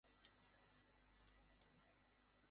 এখানকার পুলিশ গুরুর জন্য কাজ করে।